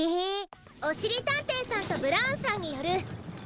おしりたんていさんとブラウンさんによるえんしんかそくき